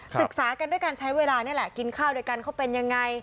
ศึกษากันด้วยการใช้เวลานี่แหละกินข้าวด้วยกันเขาเป็นยังไง